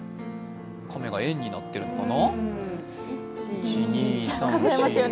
亀が円になっているのかな。